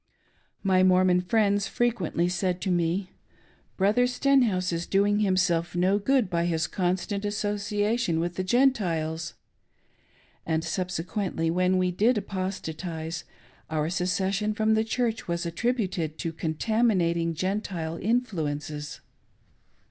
My Mormon friends frequently said to me, " Brother Stenhouse is doing himself no good by his constant association with the Gentiles ;" and subsequently, when we did apostatise, our secession from the Church was attributed to contaminating Gentile influences.